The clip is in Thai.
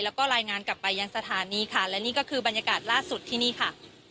แล้วก็รายงานกลับไปยังสถานีค่ะและนี่ก็คือบรรยากาศล่าสุดที่นี่ค่ะ